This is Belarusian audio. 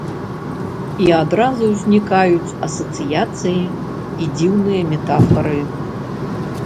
І адразу ўзнікаюць асацыяцыі і дзіўныя метафары.